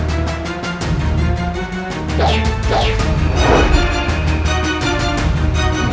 berjualannya menjadi adalah